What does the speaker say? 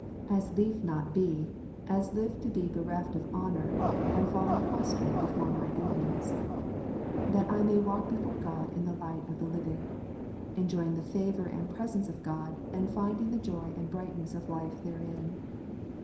As lief not be, as live to be bereft of honour, and fallen prostrate before my enemies. ''''That I may walk h^ore God in the light of the limng,^'' enjoying the favour and presence of God, and finding the joy and brightness of life therein.